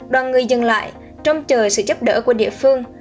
đoàn người dừng lại trông chờ sự giúp đỡ của địa phương